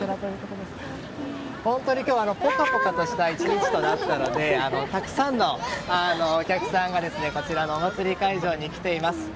本当に今日はポカポカとした１日となったのでたくさんのお客さんがこちらのお祭り会場に来ています。